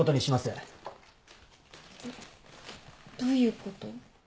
えっどういうこと？